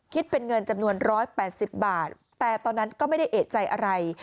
คิดเป็นเงินจำนวน๑๘๐บาทแต่ตอนนั้นก็ไม่ได้เอกใจอะไร